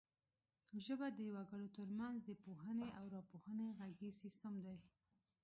ژبه د وګړو ترمنځ د پوهونې او راپوهونې غږیز سیستم دی